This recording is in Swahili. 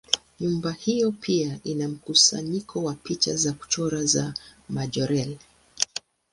Nyumba hiyo pia ina mkusanyiko wa picha za kuchora za Majorelle.